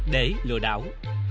để lừa đảo